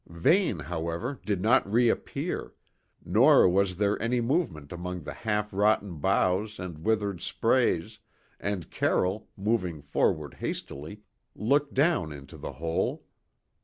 Vane, however, did not reappear; nor was there any movement among the half rotten boughs and withered sprays, and Carroll, moving forward hastily, looked down into the hole.